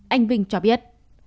anh vinh cho biết